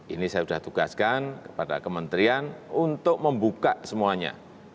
ini saya sudah tugaskan kepada kementerian untuk membuka semuanya